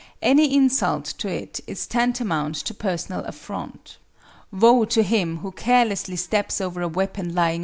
Any insult to it is tantamount to personal affront. Woe to him who carelessly steps over a weapon lying on the floor!